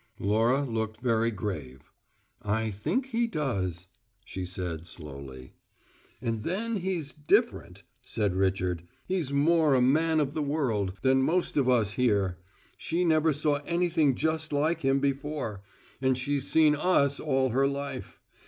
Laura looked very grave. "I think he does," she said slowly. "And then he's `different,'" said Richard. "He's more a `man of the world' than most of us here: she never saw anything just like him before, and she's seen us all her life.